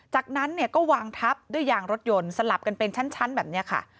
จากนั้นเนี่ยก็วางทับด้วยยางรถยนต์สลับกันเป็นชั้นแบบนี้ค่ะ